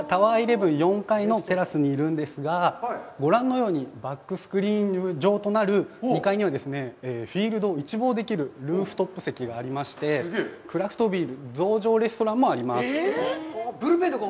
１１、４階のテラスにいるんですが、ご覧のように、バックスクリーン上となる２階にはフィールドを一望できるルーフトップ席がありまして、クラフトビール醸造レストランもあります。